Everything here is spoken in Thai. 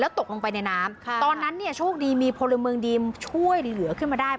แล้วตกลงไปในน้ำค่ะตอนนั้นเนี่ยโชคดีมีพลเมิงดิ่มช่วยหรือเหลือขึ้นมาได้